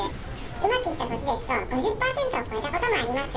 うまくいった年ですと５０％を超えたこともありまして。